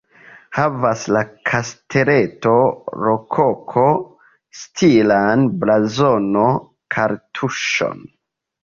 Havas la kasteleto rokoko-stilan blazono-kartuŝon.